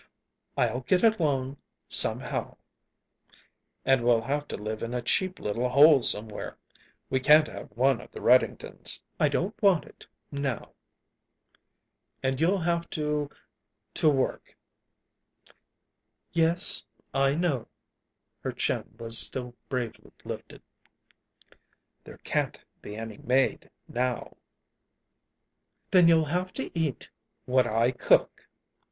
"I'll get along somehow." "And we'll have to live in a cheap little hole somewhere we can't have one of the Reddingtons." "I don't want it now." "And you'll have to to work." "Yes, I know." Her chin was still bravely lifted. "There can't be any maid now." "Then you'll have to eat what I cook!"